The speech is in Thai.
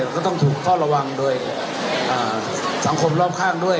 ก็ต้องถูกเฝ้าระวังโดยสังคมรอบข้างด้วย